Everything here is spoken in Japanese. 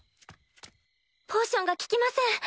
ポーションが効きません。